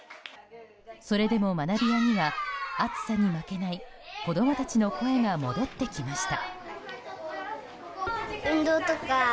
それでも、学び舎には暑さに負けない子供たちの声が戻ってきました。